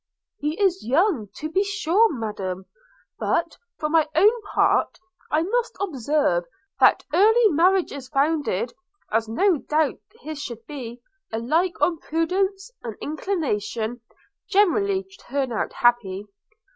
'He is young, to be sure, Madam; but, for my own part, I must observe, that early marriages founded, as no doubt his should be, alike on prudence and inclination, generally turn out happily.